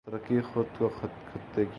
ترکی خود کو خطے کی